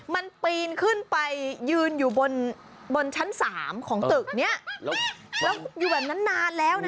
มันปีนขึ้นไปยืนอยู่บนชั้น๓ของตึกนี้แล้วอยู่แบบนั้นนานแล้วนะ